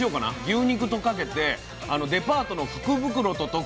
牛肉とかけてデパートの福袋ととく。